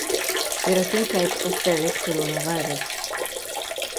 There are two types of ferret coronavirus.